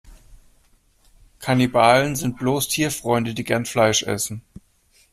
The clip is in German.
Kannibalen sind bloß Tierfreunde, die gern Fleisch essen.